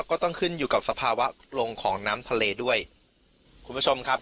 ก็ต้องขึ้นอยู่กับสภาวะลงของน้ำทะเลด้วยคุณผู้ชมครับ